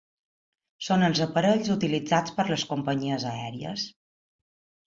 Són els aparells utilitzats per les companyies aèries.